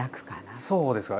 そうですか。